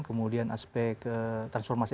kemudian aspek transformasi